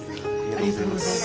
ありがとうございます。